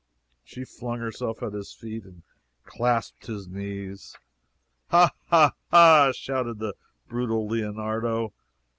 She flung herself at his feet and clasped his knees. "Ha! ha! ha!" shouted the brutal Leonardo.